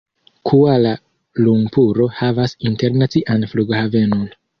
Kuala-Lumpuro havas internacian flughavenon.